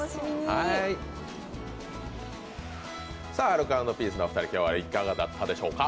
アルコ＆ピースのお二人、今日はいかがだったでしょうか。